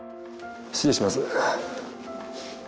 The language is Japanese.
失礼します